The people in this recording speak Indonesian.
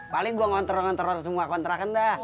paling gua ngontrol ngontrol semua kontraken dah